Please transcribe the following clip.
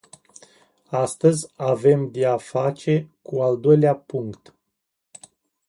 Astăzi avem de-a face cu al doilea punct.